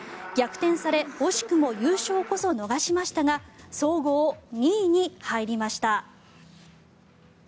逆転され惜しくも優勝こそ逃しましたが総合２位に入りました。